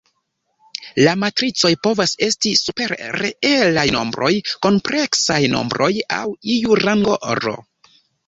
La matricoj povas esti super reelaj nombroj, kompleksaj nombroj aŭ iu ringo "R".